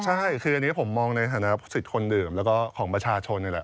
ใช่คืออันนี้ผมมองในฐานะสิทธิ์คนดื่มแล้วก็ของประชาชนนี่แหละ